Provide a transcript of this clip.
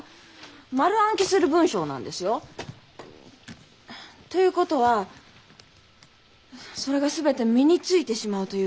丸暗記する文章なんですよ。ということはそれが全て身についてしまうということで。